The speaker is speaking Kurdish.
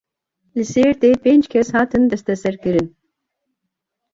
Li Sêrtê pênc kes hatin desteserkirin.